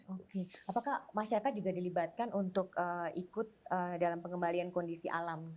oke apakah masyarakat juga dilibatkan untuk ikut dalam pengembalian kondisi alam